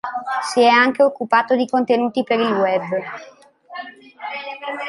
Si è anche occupato di contenuti per il web.